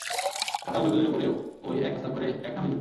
খাতা ও বইগুলির উপরেও ঐ এক হস্তাক্ষরে এক নাম লিখিত।